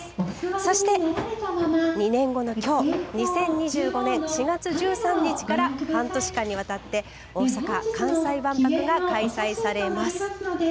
そして２年後のきょう２０２５年４月１３日から半年間にわたって大阪・関西万博が開催されます。